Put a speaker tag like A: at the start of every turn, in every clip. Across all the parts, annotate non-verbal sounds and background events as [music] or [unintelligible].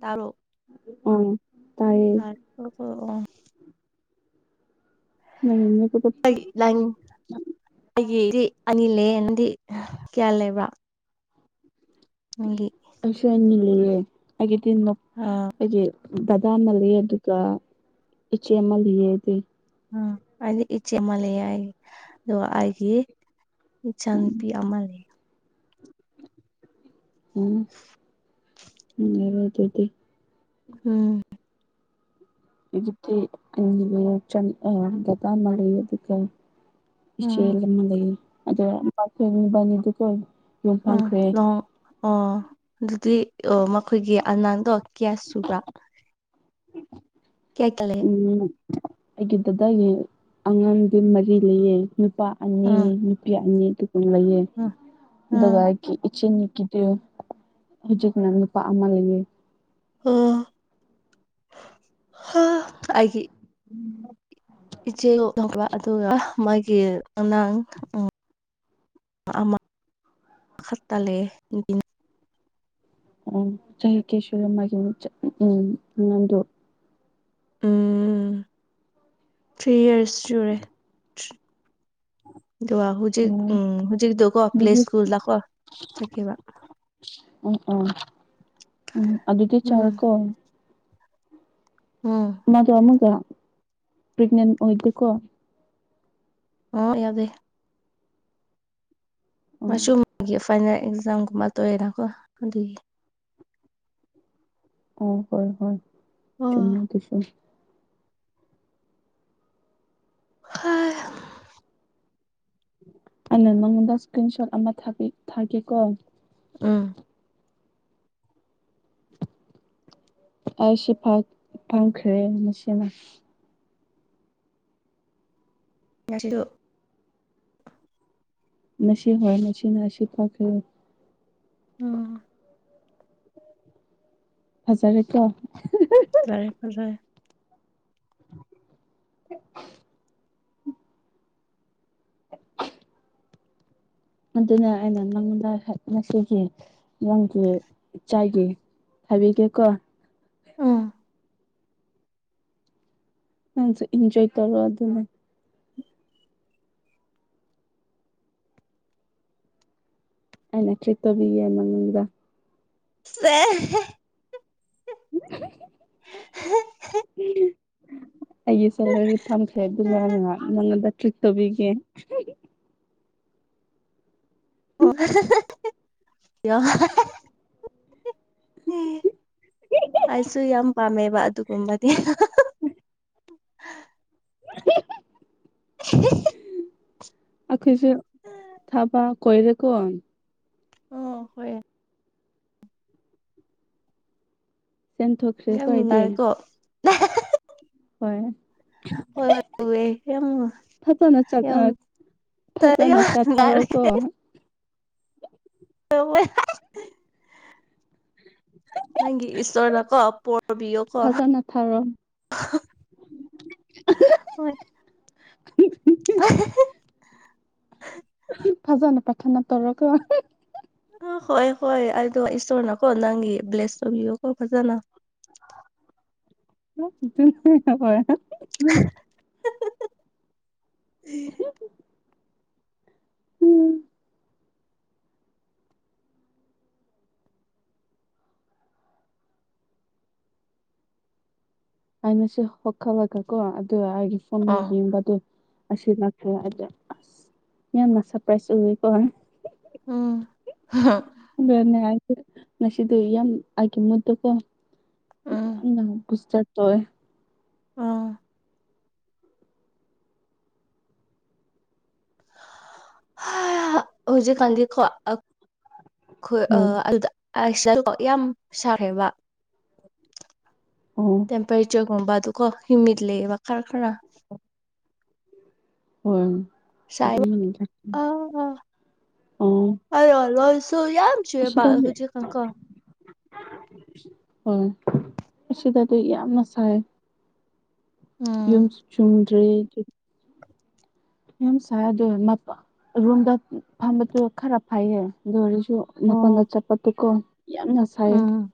A: ꯇꯔꯣꯛ
B: ꯑꯪ ꯇꯥꯏꯌꯦ
A: ꯐ ꯑꯣ
B: ꯃꯌꯨꯝꯗ
A: ꯅꯪꯦ ꯑꯅꯤ ꯂꯩꯌꯦꯅꯗꯤ ꯀꯌꯥ ꯂꯩꯕ꯭ꯔꯥ ꯅꯪꯒꯤ
B: ꯑꯁꯅꯤ ꯂꯩꯦ
A: ꯑꯥ
B: ꯑꯦꯗꯤ ꯕꯗꯥ ꯑꯃ ꯂꯩ ꯑꯗꯨꯒ ꯏꯆꯦ ꯑꯃ ꯂꯩꯌꯦꯗꯤ
A: ꯑ ꯑꯗꯨꯗꯗꯤ ꯏꯆꯦ ꯃꯂ ꯍꯥꯏꯦ ꯑ ꯍꯥꯏꯒꯤꯦ ꯏ ꯆ ꯅꯨꯄꯤꯤ ꯑꯃ ꯂꯩ
B: ꯑꯝ ꯎꯝ ꯌꯥꯔ ꯑꯗꯨꯗꯤ
A: ꯎꯝ
B: ꯏꯛꯇꯦ ꯆꯟ ꯑꯒꯗꯥ ꯃꯦ ꯑꯗꯨꯒ
A: ꯎꯝ
B: ꯏꯆꯦꯜ ꯑꯃ ꯂꯩ ꯑꯗꯣꯏꯅꯤꯗꯨꯀ
A: ꯑ ꯂꯍꯣꯡ ꯑꯣ ꯑꯗꯨꯗꯤ ꯃꯈꯣꯏꯒꯤ ꯑꯉꯥꯡꯗꯣ ꯀꯌꯥꯁꯨꯕ꯭ꯔꯥ
B: ꯎꯝ ꯑꯩꯒꯤ ꯗꯗꯥꯒꯤ ꯑꯉꯥꯡꯗꯤ ꯃꯔꯤ ꯂꯩꯌꯦ ꯅꯨꯄꯥ ꯑꯅꯤ
A: ꯎꯝ
B: ꯅꯨꯄꯤ ꯑꯅꯤ ꯑꯗꯨꯒ ꯂꯩꯌꯦ
A: ꯎꯝ
B: ꯑꯗꯨꯒ
A: ꯎꯝ
B: ꯑꯩ ꯏꯆꯤꯟ ꯀꯗꯤ ꯍꯧꯖꯤꯅ ꯅꯨꯄꯥ ꯑꯃꯥ ꯂꯩ
A: ꯑꯣ ꯍ ꯑꯩꯒꯤ
B: ꯎꯝ
A: ꯏꯆꯦ ꯂꯣꯛꯊꯄ ꯑꯗꯨꯒ ꯃꯥꯒꯤ ꯑꯉꯥꯡ ꯎ ꯈ ꯇꯦ
B: ꯑꯣ ꯆꯍꯤ ꯀꯦꯁꯣꯔ ꯃꯥꯒꯤꯅꯤ ꯎꯝ ꯅꯗꯨ
A: ꯎꯝ ꯊ꯭ꯔꯤ ꯏꯔꯁ ꯌꯨꯔꯦ ꯑꯗꯨꯒ ꯍꯧꯖꯤꯛ
B: ꯑꯣ
A: ꯎꯝ ꯍꯧꯖꯤꯛꯇꯗꯣꯀꯣ ꯄ꯭ꯂꯦ
B: ꯑꯗꯨꯗꯤ
A: ꯁ꯭ꯀꯨꯜꯗꯀꯣ ꯆꯠꯀꯕ
B: ꯎꯝ ꯎꯝ ꯎꯝ ꯑꯗꯨꯗꯤ
A: ꯎꯝ
B: ꯆꯥꯔꯀꯣ
A: ꯎꯝ
B: ꯃꯗꯣ ꯑꯃꯒ ꯄ꯭ꯔꯦꯒꯅꯦꯟ ꯑꯣꯏꯗꯦꯀꯣ
A: ꯑꯣ ꯌꯥꯗꯦ
B: ꯑꯣ
A: ꯃꯁꯨꯒ ꯐꯥꯏꯅꯦꯜ ꯑꯦꯛꯖꯥꯝꯒꯨꯝꯕ ꯇꯣꯏꯑꯦꯅꯀꯣ ꯑꯗꯨꯒꯤ
B: ꯑꯣ ꯍ ꯍ ꯆ
A: ꯑꯣ
B: ꯀꯁꯨ
A: ꯍꯣꯏ
B: ꯑꯅ ꯃꯉꯣꯟꯗ ꯏꯁꯀ꯭ꯔꯤꯟ ꯁꯣꯠ ꯑꯃ ꯊꯥꯒꯦꯀꯣ
A: ꯑꯝ
B: ꯑꯩ ꯁꯤ ꯐ ꯐꯪꯈ꯭ꯔꯦ ꯅꯁꯤꯅ
A: ꯉꯁꯤꯗ
B: ꯃꯁꯤꯁꯤ ꯍꯣꯏ ꯅꯁꯤ ꯅꯅꯥꯁꯤꯄ
A: ꯎ
B: ꯍꯖꯔꯦ ꯀꯣ
A: ꯂꯔꯦ ꯐꯖꯥꯏ
B: [inaudible] ꯑꯗꯨꯅ ꯑꯩꯅ ꯅꯪꯉꯣꯟꯗ ꯉꯁꯤꯒꯤ ꯅꯪꯒꯤ ꯆꯥꯏꯒꯦ ꯊꯕꯤꯒꯦꯀꯣ
A: ꯑꯥ
B: ꯑꯁꯨ ꯏꯟꯖꯣꯌ ꯇꯧꯔꯣ ꯑꯗꯨꯅꯦ ꯑꯩꯅ ꯀ꯭ꯔꯤ ꯇꯕꯤꯒ ꯃꯅꯨꯡꯗ
A: ꯁꯦ
B: ꯑꯩꯒꯤ ꯁꯦꯂꯔꯤ ꯄꯥꯝꯈ꯭ꯔꯦ ꯑꯗꯨ ꯌꯥꯅꯤꯅ ꯅꯪꯉꯣꯟꯗ ꯇ꯭ꯔꯤꯠ ꯇꯧꯕꯤꯒꯦ
A: ꯑ ꯑꯣ ꯀ ꯑꯩꯁꯨ ꯌꯥꯝ ꯄꯥꯝꯃꯦꯕ ꯑꯗꯨꯒꯨꯝꯕꯗꯤ [inaudible]
B: [inaudible]
A: [inaudible]
B: ꯑꯩꯈꯣꯏꯁꯦ ꯊꯥꯕ ꯀꯣꯏꯔꯦꯀꯣ
A: ꯑꯣ ꯍ
B: ꯆꯦꯟꯊꯣꯛꯈ꯭ꯔꯦ
A: ꯌꯥꯝ
B: ꯀꯣꯗꯤ
A: ꯅꯨꯡꯉꯥꯏꯔꯦꯀꯣ
B: ꯍꯣꯏ
A: ꯍꯣꯏ ꯍꯣꯏ ꯎꯋꯦ ꯌꯥꯝ
B: ꯐꯆꯅ ꯆ
A: ꯌꯥꯝ
B: ꯐꯖꯅ
A: ꯌꯥꯝ ꯅꯨꯡꯉꯥꯏꯔꯦ
B: ꯆꯠꯊꯔꯣꯀꯣ
A: ꯍ ꯅꯪꯒꯤ ꯏꯁꯣꯔꯅ ꯀꯣ ꯄꯣꯔꯕꯤꯌꯣ ꯀꯣ
B: ꯐꯖꯅ ꯊꯥꯔꯣ
A: [inaudible] ꯍꯣꯏ
B: ꯐꯖꯅ ꯄꯥꯊꯅ ꯇꯔꯛꯀ
A: ꯍꯣꯏ ꯍꯣꯏ ꯑꯩꯗꯣ ꯏꯁꯣꯔꯅꯀꯣ ꯅꯪꯒꯤ ꯕ꯭ꯂꯦꯁ ꯇꯧꯕꯤꯌꯨ ꯀꯣ ꯐꯖꯅ
B: [unintelligible]
A: ꯑꯦ
B: ꯑꯩꯅ ꯁꯤ [unintelligible] ꯀꯣ ꯑꯗꯨ ꯑꯩꯒꯤ ꯐꯣꯟꯗ
A: ꯑꯥ
B: ꯌꯦꯡꯕꯗ ꯑꯁꯤ ꯂꯥꯛꯈ꯭ꯔꯦ ꯑꯗ ꯑꯁ ꯌꯥꯝꯅ ꯁꯔꯄ꯭ꯔꯥꯏꯖ ꯑꯣꯏꯌꯦꯀꯣ
A: ꯎꯝ
B: ꯑꯗꯨꯅꯦ ꯍꯥꯏꯁꯦ ꯉꯁꯤꯗꯤ ꯌꯥꯝ ꯑꯩꯒꯤ ꯃꯨꯠꯇꯣ ꯀꯣ ꯃꯤ
A: ꯎꯝ
B: ꯌꯥꯝꯅ ꯕꯨꯁꯇꯔ ꯇꯧꯋꯦ
A: ꯎꯝ ꯍꯥ ꯍꯧꯖꯤꯛ ꯀꯥꯟꯗꯤ ꯀꯣ ꯑꯛ ꯈꯨꯜ ꯑ
B: ꯍꯣꯏ
A: ꯑꯗꯨꯗ ꯑꯥꯏꯁ ꯑꯗꯨ ꯀꯣ ꯌꯥꯝ ꯁꯥꯈ꯭ꯔꯦꯕ
B: ꯑꯣ
A: ꯇꯦꯝꯄꯔꯦꯆꯔꯒꯨꯝꯕ ꯗꯨꯀꯣ ꯍꯤꯌꯨꯃꯤꯠ ꯂꯩꯌꯦꯕ ꯈꯔ ꯈꯔ
B: ꯎꯝ
A: ꯁꯥꯏꯕ
B: [unintelligible]
A: ꯑꯥ
B: ꯎꯝ
A: ꯅꯣꯡ ꯌꯥꯝ ꯆꯨꯏꯌꯦꯕ ꯍꯨꯖꯤꯛ ꯀꯥꯟꯀꯣ
B: ꯎꯝ ꯑꯁꯤꯗꯗꯤ ꯌꯥꯝꯅ ꯁꯥꯏ ꯌꯨꯝ
A: ꯎꯝ
B: ꯆꯨꯝꯗ꯭ꯔꯦ ꯑꯩꯗꯤ ꯌꯥꯝ ꯁꯥꯏ ꯑꯗꯨ [unintelligible] ꯔꯨꯝꯗ ꯐꯝꯕꯗꯨ ꯈꯔ ꯐꯩꯌꯦ ꯑꯗꯨ ꯑꯣꯏꯔꯁꯨ ꯗꯨ ꯃꯄꯥꯟꯗ
A: ꯑꯣ
B: ꯆꯠꯄꯇꯤꯀꯣ ꯌꯥꯝꯅ ꯁꯥꯏ
A: ꯎꯝ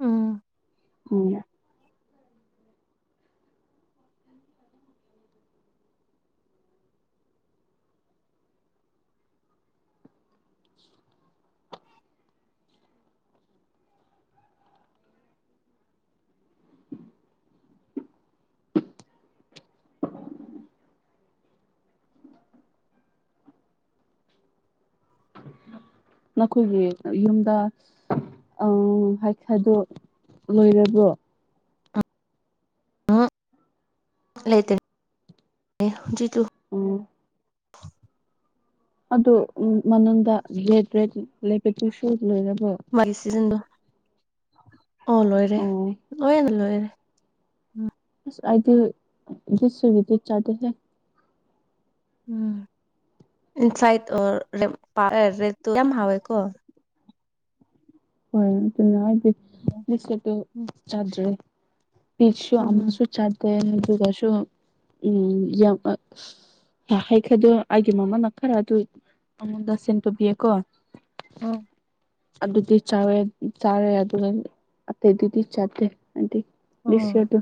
A: ꯎꯝ
B: [unintelligible]
A: [inaudible]
B: ꯅꯈꯣꯏꯒꯤ ꯌꯨꯝꯗ ꯑ ꯍꯩꯈꯥꯗꯣ ꯂꯣꯏꯔꯕ꯭ꯔꯣ
A: [unintelligible] ꯂꯩꯇꯦ ꯍꯧꯖꯤꯛꯇꯨ
B: ꯎꯝ
A: [unintelligible]
B: ꯑꯗꯨ ꯃꯅꯨꯡꯗ ꯔꯦꯠ ꯔꯦꯠ ꯂꯩꯕꯗꯨꯁꯨ ꯂꯣꯏꯔꯕꯣ
A: ꯃꯒꯤ ꯁꯤꯖꯟꯗꯨ ꯑꯣ ꯂꯣꯏꯔꯦ
B: ꯑꯣ
A: ꯂꯣꯏꯔꯅ ꯂꯣꯏꯔꯦ ꯎꯝ
B: ꯑꯩꯗꯤ [unintelligible] ꯆꯥꯗꯦꯍꯦ
A: ꯎꯝ ꯏꯟꯁꯥꯏꯗ ꯑꯣꯔ [unintelligible] ꯔꯦꯗ ꯇꯣ ꯌꯥꯝ ꯍꯥꯎꯏꯀꯣ
B: ꯍꯣꯏ ꯑꯗꯨꯅ ꯍꯥꯏꯗꯤ ꯕꯥꯢꯀꯨꯠꯇꯨ ꯆꯥꯗ꯭ꯔꯤ ꯄꯤꯆꯁꯁꯨ
A: ꯎꯝ
B: ꯑꯃꯁꯨ ꯆꯥꯗꯦ ꯂꯤꯝꯕꯨꯒꯁꯨ ꯎꯝ ꯌꯥꯝ ꯑꯥ ꯌꯥ ꯍꯩꯈꯥꯗꯣ ꯑꯩꯒꯤ ꯃꯃꯥꯅ ꯈꯔ ꯑꯗꯨ ꯑꯩꯉꯣꯟꯗ ꯁꯦꯟ ꯇꯧꯕꯤꯌꯦꯀꯣ
A: ꯑꯥ
B: ꯑꯗꯨꯗꯤ ꯆꯥꯔꯦ ꯆꯥꯔꯦ ꯑꯗꯨ ꯑꯇꯩꯗꯨꯗꯤ ꯆꯥꯗꯦ ꯑꯩꯗꯤ ꯗꯤꯁ ꯏꯌꯔ ꯗꯣ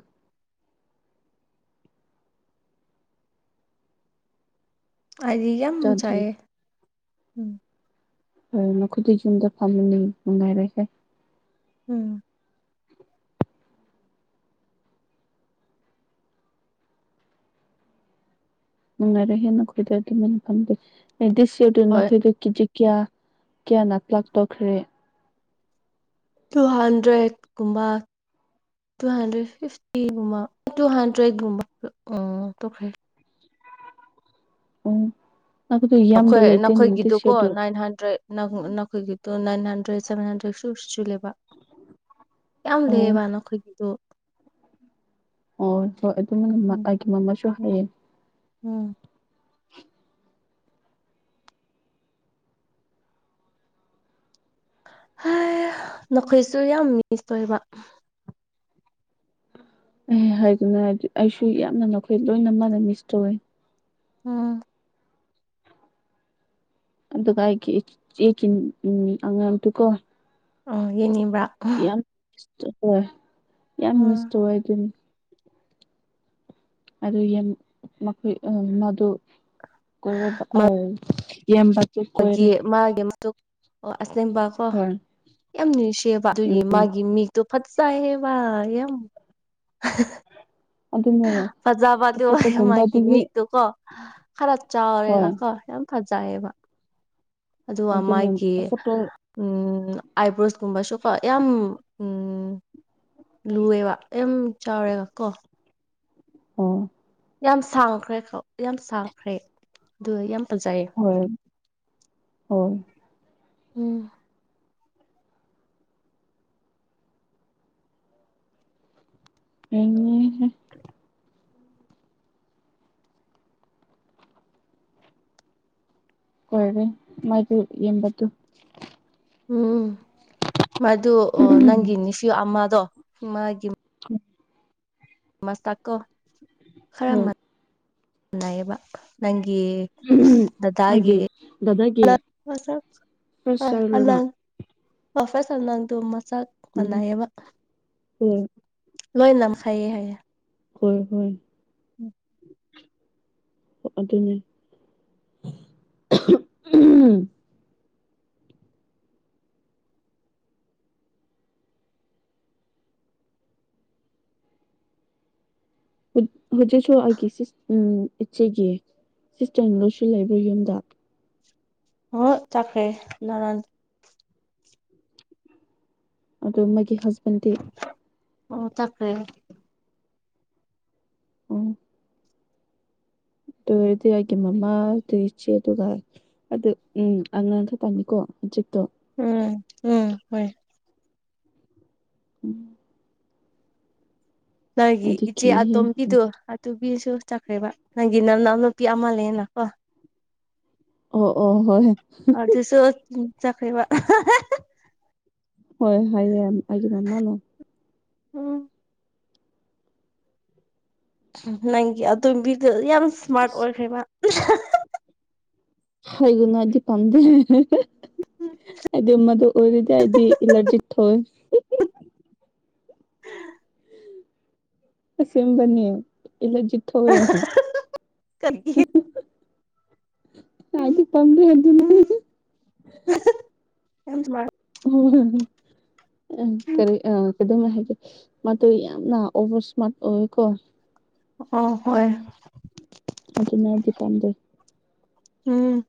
A: ꯑꯩꯗꯤ ꯌꯥꯝ
B: ꯆꯥꯗ꯭ꯔꯤ
A: ꯆꯥꯏꯌꯦ ꯎꯝ
B: ꯑꯥ ꯅꯈꯣꯏꯗꯤ ꯌꯨꯝꯗ ꯐꯝꯕꯅꯤ ꯅꯨꯡꯉꯥꯏꯔꯣꯢꯗ
A: ꯎꯝ
B: ꯅꯨꯡꯉꯥꯏꯔꯦꯍꯦ ꯅꯈꯣꯏꯗꯤ ꯑꯗꯨꯃꯥꯏꯅ ꯐꯝꯗꯤ ꯗꯤꯁ ꯏꯌꯔꯗꯣ
A: ꯍꯣꯏ
B: ꯅꯈꯣꯏꯗꯣ ꯈꯤꯖꯤꯛ ꯀꯌꯥ ꯀꯌꯥꯅ ꯂꯥꯛ ꯇꯣꯛꯈ꯭ꯔꯦ
A: ꯇꯨ ꯍꯟꯗ꯭ꯔꯦꯠ ꯀꯨꯝꯕ ꯇꯨ ꯍꯟꯗ꯭ꯔꯦꯠ ꯐꯤꯐꯇꯤꯒꯨꯝꯕ ꯇꯨ ꯍꯟꯗ꯭ꯔꯦꯠꯀꯨꯝꯕ ꯑ ꯇꯧꯈ꯭ꯔꯦ
B: ꯎꯝ
A: ꯅꯈꯣꯏ ꯅꯈꯣꯏꯒꯤꯗꯨꯀꯣ ꯅꯥꯏꯟ ꯍꯟꯗ꯭ꯔꯦꯠ ꯅꯈꯣꯏꯒꯤ ꯇꯣ ꯅꯥꯏꯟ ꯍꯟꯗ꯭ꯔꯦꯗ ꯁꯚꯦꯟ ꯍꯟꯗ꯭ꯔꯦꯗꯁꯨ ꯁꯨꯂꯦꯕ ꯌꯥꯝ
B: ꯑꯣ
A: ꯂꯩꯌꯦꯕ ꯅꯈꯣꯏꯒꯤ ꯑꯗꯨ
B: ꯍꯣꯏ ꯍꯣꯏ ꯑꯗꯨꯃꯥꯏꯅ ꯑꯩꯒꯤ ꯃꯃꯥꯁꯨ ꯍꯥꯏꯌꯦ
A: ꯎꯝ ꯍꯥꯏ ꯅꯈꯣꯏꯁꯨ ꯌꯥꯝ ꯃꯤꯁ ꯑꯣꯏꯕ
B: ꯑꯝ ꯍꯥꯏꯒꯅꯨ ꯍꯥꯏꯗꯤ ꯑꯩꯁꯨ ꯌꯥꯝꯅ ꯅꯈꯣꯏ ꯂꯣꯏꯅ ꯃꯥꯛ ꯃꯤꯁ ꯇꯧꯋꯦ
A: ꯎꯝ
B: ꯑꯗꯨꯗ ꯀꯥꯏ ꯀ ꯎꯝ ꯑꯥꯡ ꯇꯨꯀꯣ
A: ꯑ ꯌꯦꯡꯅꯤꯡꯕ꯭ꯔꯥ
B: ꯍ ꯌꯥꯝ
A: ꯎꯝ
B: ꯃꯤꯁꯇ ꯑꯣꯏꯏ ꯑꯗꯨꯅꯤ ꯑꯗꯨ ꯃꯈꯣꯏ ꯃꯗꯨ ꯀꯣꯏꯔꯕ ꯌꯦꯕꯛꯇ
A: ꯃꯥꯒꯤ
B: ꯀꯣꯏꯔꯦ
A: ꯃꯥꯒꯤ ꯑꯣ ꯑꯁꯅꯦꯝꯕꯥ ꯀꯣ
B: ꯍꯣꯏ
A: ꯌꯥꯝ ꯁꯦꯕ
B: ꯎꯝ
A: ꯑꯗꯨꯒꯤ ꯃꯥꯒꯤ ꯃꯤꯛꯇꯣ ꯐꯠ ꯁꯥꯍꯦ ꯋꯥ ꯑ
B: ꯑꯗꯨꯅ
A: ꯐꯖꯕꯗꯤ
B: ꯐꯣꯇꯣꯒꯨꯝꯕꯗꯨꯒꯤ
A: ꯃꯥꯒꯤꯅꯤꯛꯇꯣ ꯀꯣ ꯈꯔ ꯆꯥꯎꯔꯦꯒ
B: ꯍꯣꯏ
A: ꯀꯣ ꯌꯥꯝ ꯊꯖꯕ ꯑꯗꯨꯒ
B: ꯑꯗꯨꯅ
A: ꯃꯥꯒꯤ
B: ꯐꯣꯇꯣ
A: ꯎꯝ ꯎꯝ ꯑꯥꯏꯕ꯭ꯔꯣꯁꯀꯨꯝꯕꯁꯨ ꯀꯣ ꯌꯥꯝ ꯎꯝ ꯂꯨꯑꯦꯕ ꯌꯥꯝ ꯆꯥꯎꯔꯦꯕ ꯀꯣ
B: ꯑꯣ
A: ꯌꯥꯝ ꯁꯥꯡꯈ꯭ꯔꯦ ꯌꯥꯝ ꯁꯥꯡꯈ꯭ꯔꯦ ꯑꯗꯨ ꯌꯥꯝ ꯐꯖꯩꯌꯦ
B: ꯍꯣꯏ ꯍꯣꯏ
A: ꯎꯝ
B: ꯎ
A: [unintelligible]
B: ꯀꯣꯏꯔꯦ ꯃꯗꯨ ꯌꯦꯕꯗꯨ
A: ꯎꯝ ꯃꯗꯨ ꯅꯪꯒꯤ ꯅꯤꯁꯨ ꯑꯃꯥꯗꯣ ꯃꯥꯒꯤ
B: ꯎꯝ
A: ꯃꯁꯇꯥꯛꯀꯣ
B: ꯍꯣꯏ
A: ꯈꯔꯅꯥꯏꯌꯦꯕ ꯅꯪꯒꯤ ꯗꯗꯒꯦ
B: ꯃꯥꯒꯤ ꯐꯔ ꯆꯂꯨꯔ
A: ꯑꯣ ꯐꯁ ꯅꯪꯗꯣ ꯃꯆꯥꯥꯛ ꯃꯅꯥꯏꯌꯦꯕ
B: ꯍꯣꯏ
A: ꯂꯣꯏ ꯅꯝ ꯈꯥꯏꯌꯦ ꯍꯥꯏꯥꯏꯌꯦ
B: ꯍꯣꯏ ꯍꯣꯏ
A: ꯎꯝ
B: ꯑꯗꯨ ꯑꯗꯨꯅꯦ ꯎꯝ ꯍꯧꯖꯤꯦꯁꯨꯒ ꯁꯤ ꯎꯝ ꯏꯆꯦꯒꯤ ꯁꯤꯁꯇꯔꯅ ꯂꯣꯏꯁꯨ ꯂꯩꯕ꯭ꯔꯥ ꯌꯨꯝꯗ
A: ꯍ ꯆꯥꯛꯈ꯭ꯔꯦ ꯂꯔ
B: ꯑꯣ ꯃꯥꯒꯤ ꯍꯁꯕꯦꯟꯗꯤ
A: ꯑꯣ ꯇ ꯐꯔꯦ
B: ꯎꯝ ꯑꯗꯨ ꯑꯣꯏꯔꯗꯤ ꯑꯩꯒꯤ ꯃꯃꯥ ꯑꯗꯨꯏ ꯏꯆꯦ ꯑꯗꯨꯒ ꯑꯗꯨ ꯎꯝ ꯑꯉꯥꯡ ꯈ ꯄꯥꯃꯤꯀꯣ ꯎꯆꯤꯛꯇꯣ
A: ꯎꯝ ꯎꯝ ꯍꯣꯏ
B: ꯎꯝ
A: ꯅꯪꯒꯤ
B: ꯑꯩꯗꯤ
A: ꯏꯆꯦ
B: ꯀꯤꯍꯦ
A: ꯇꯣꯀꯗꯨꯣ ꯑ ꯅꯨꯄꯤꯁꯨ ꯆꯠꯈ꯭ꯔꯦꯕ ꯅꯪꯒꯤ ꯅꯪꯅ ꯅꯨꯄꯤ ꯑꯃꯂꯅ ꯀꯣ
B: ꯑꯣ ꯑꯣ ꯍꯣꯏ
A: ꯆꯈꯩꯕ
B: ꯍꯣꯏ ꯍꯥꯏꯌꯦ ꯑꯩꯒꯤ ꯃꯃꯥꯅꯣ
A: ꯎꯝ ꯅꯪꯒꯤ ꯑꯇꯣꯝꯕꯤꯗ ꯌꯥꯝ ꯏꯁꯃꯥꯔꯠ ꯑꯣꯏꯈ꯭ꯔꯦꯕ
B: ꯍꯥꯏꯒꯨꯅꯗꯤ ꯄꯝꯗꯦ ꯍꯥꯏꯗꯤ ꯃꯗꯨ ꯑꯣꯏꯔꯗꯤ ꯍꯥꯏꯗꯤ ꯑꯦꯂꯔꯖꯤ ꯊꯣꯛꯣꯏ
A: ꯎ
B: ꯁꯦꯝꯄꯅꯤ ꯏꯂꯖꯤꯊꯣ
A: ꯀꯔꯤꯒꯤ ꯎꯝ
B: ꯇꯥꯏꯗꯤ ꯐꯝꯗ ꯍꯥꯏ ꯑꯗꯨ
A: ꯎꯝ ꯌꯥꯝ ꯃꯥ
B: ꯀꯔꯤ ꯑ ꯑꯗꯨꯝ ꯍꯥꯏꯒꯦ ꯃꯗꯨ ꯌꯥꯝꯅ ꯑꯣꯚꯔ ꯏꯁꯃꯥꯔꯠ ꯑꯣꯏꯀꯣ
A: ꯑꯣ ꯍꯣꯏ
B: ꯑꯗꯨꯅꯗꯤ ꯄꯥꯝꯖꯩ
A: ꯎꯝ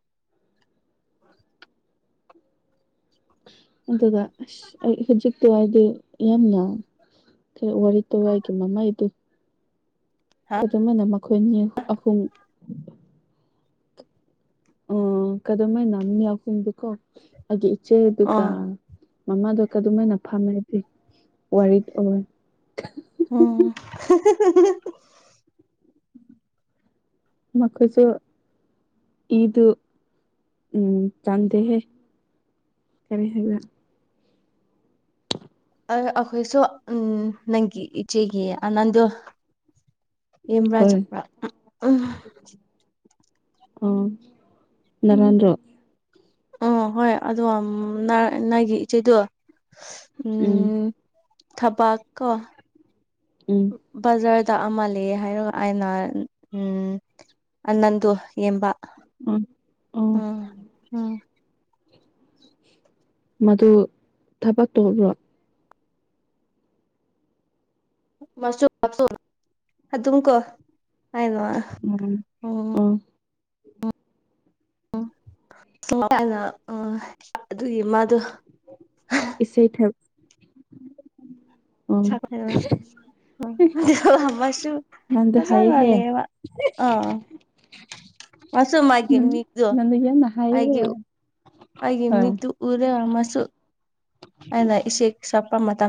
B: ꯑꯗꯨꯒ ꯑꯁ ꯑꯩ ꯍꯧꯖꯤꯛꯇꯣ ꯍꯥꯏꯗꯤ ꯌꯥꯝꯅ ꯀ ꯋꯥꯔꯤꯔ ꯇ ꯍꯥꯏ ꯀꯦ ꯃꯃ ꯏꯗꯨ ꯑꯗꯨꯃꯅ ꯃꯈꯣꯏꯅꯤ ꯑꯍꯨꯝ ꯑ ꯀꯗꯍꯥꯏ ꯅꯃꯤ ꯌꯥꯎꯐꯝꯨꯝꯗꯨꯀꯣ ꯑꯩꯒꯤ ꯏꯆꯦ ꯑꯗꯨꯒ
A: ꯑꯣ
B: ꯃꯃꯥꯗꯣ ꯀꯝꯃꯥꯏꯅ ꯐꯝꯃꯦꯗꯤꯦ ꯋꯥꯔꯤ ꯑꯣꯏ
A: ꯎꯝ
B: ꯃꯈꯣꯏꯁꯨ ꯏꯗꯨ ꯆꯥꯟꯗꯦꯦ ꯀꯔꯤ ꯍꯥꯏꯕ
A: ꯑ ꯑꯩꯈꯣꯏꯁꯨ ꯎꯝ ꯅꯪꯒꯤ ꯏꯆꯦꯒꯤ ꯑꯅꯟꯗ ꯍꯦꯝ꯭ꯔꯥ
B: ꯍꯣꯏ
A: ꯆꯄ꯭ꯔꯥ ꯎ
B: ꯑ ꯅꯔꯟ꯭ꯔꯣ
A: ꯎ ꯍꯣꯏ ꯑꯗꯣ ꯅꯅꯥꯒꯤ ꯏꯆꯦꯗꯣ ꯎꯝ ꯊꯕ ꯀꯣ
B: ꯎꯝ
A: ꯕꯖꯔꯗ ꯑꯃꯜ ꯍꯥꯏꯔꯒ ꯑꯩꯅ ꯎꯝ ꯑꯅꯟꯗꯣ ꯌꯦꯡꯕ
B: ꯑ ꯑ
A: ꯎꯝ ꯎꯝ
B: ꯃꯗꯨ ꯊꯕꯛ ꯇꯧꯕ꯭ꯔꯣ
A: ꯃꯥꯁ ꯋꯥꯆ ꯑ ꯑꯗꯨꯝꯀ ꯍꯥꯏꯅ ꯋꯥ
B: ꯎꯝ
A: ꯎꯝ
B: ꯑꯣ
A: ꯎꯝ ꯁꯃꯅ ꯎ ꯑꯗꯨꯒꯤ ꯃꯥꯗꯣ
B: ꯏꯁꯩꯩ ꯊꯔ
A: ꯃꯁꯨ
B: ꯅꯪꯗ ꯍꯥꯏꯌꯦꯍꯦ
A: ꯆꯥꯡꯉꯂ ꯑꯥ ꯃꯁꯨꯨꯝꯒꯦ
B: ꯅꯪ
A: ꯃꯤꯗ
B: ꯅꯪꯗ ꯌꯥꯝꯅ ꯍꯥꯏꯌꯦꯍꯦ
A: ꯍꯥꯏꯌꯨ ꯍꯥꯏꯦ
B: ꯍꯣꯏ
A: ꯃꯤ ꯇ ꯎꯔꯦ ꯃꯁꯨ ꯍꯥꯏꯅ ꯏꯦ ꯁꯞꯄ ꯃ ꯇ